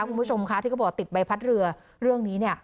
คุณผู้ชมคะที่เขาบอกติดใบพัดเรือเรื่องนี้เนี่ย